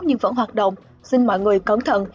nhưng vẫn hoạt động xin mọi người cẩn thận